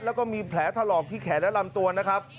แล้วก็มีแผลถลอกที่แขนและลำตัวนะครับ